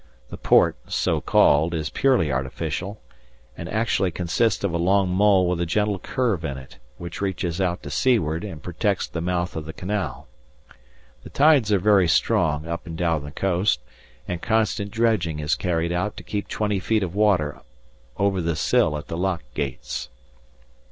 The port, so called, is purely artificial, and actually consists of a long mole with a gentle curve in it, which reaches out to seaward and protects the mouth of the canal. The tides are very strong up and down the coast, and constant dredging is carried out to keep 20 feet of water over the sill at the lock gates.